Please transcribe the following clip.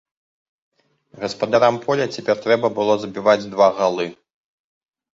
Гаспадарам поля цяпер трэба было забіваць два галы.